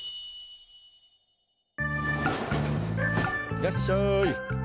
いらっしゃい。